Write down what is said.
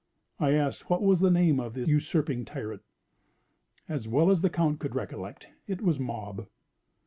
I asked what was the name of the usurping tyrant. As well as the Count could recollect, it was Mob.